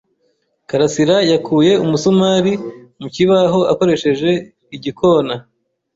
Karasirayakuye umusumari mu kibaho akoresheje igikona.